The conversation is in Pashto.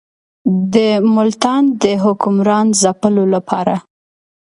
د ملتان د حکمران ځپلو لپاره.